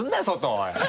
おい。